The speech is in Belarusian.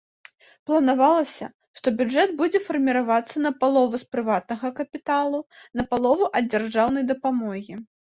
Планавалася, што бюджэт будзе фарміравацца напалову з прыватнага капіталу, напалову ад дзяржаўнай дапамогі.